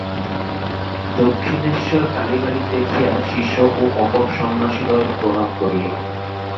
দক্ষিণেশ্বর কালীবাড়ী দেখিয়া শিষ্য ও অপর সন্ন্যাসিদ্বয় প্রণাম করিল।